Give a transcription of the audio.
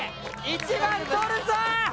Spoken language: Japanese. １番獲るぞ！